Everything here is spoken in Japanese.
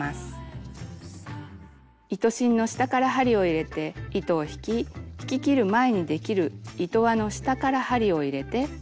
糸芯の下から針を入れて糸を引き引ききる前にできる糸輪の下から針を入れて引き締める。